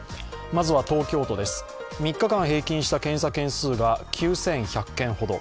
まずは東京都です、３日間平均した検査件数が９１００件ほど。